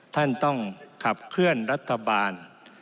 ท่านต้องขับเคลื่อนรัฐบาล